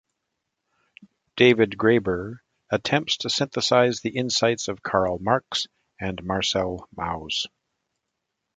David Graeber attempts to synthesize the insights of Karl Marx and Marcel Mauss.